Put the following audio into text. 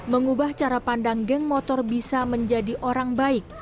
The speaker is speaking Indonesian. mengubah cara pandang geng motor bisa menjadi orang baik